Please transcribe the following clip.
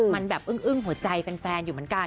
มันแบบอึ้งหัวใจแฟนอยู่เหมือนกัน